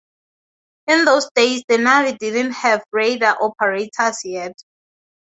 In those days the Navy didn't have Radar Operators yet.